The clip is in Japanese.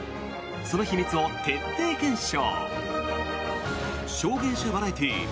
その秘密を徹底検証。